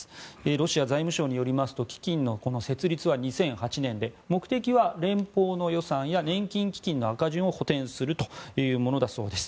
ロシア財務省によりますと基金の設立は２００８年で目的は連邦の予算や年金基金の赤字を補てんするというものだそうです。